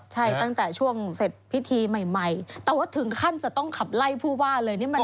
ใช่ตั้งแต่ช่วงเสร็จพิธีใหม่แต่ว่าถึงขั้นจะต้องขับไล่ผู้ว่าเลย